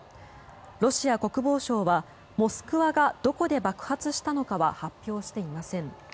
ロシア国防省は「モスクワ」がどこで爆発したのかは発表していません。